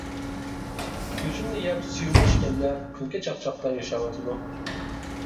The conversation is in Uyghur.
گۆشۈمنى يەپ سۈيۈمنى ئىچكەنلەر كۈلكە چاقچاقتا ياشاۋاتىدۇ.